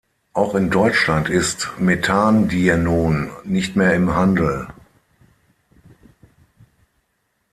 Auch in Deutschland ist Metandienon nicht mehr im Handel.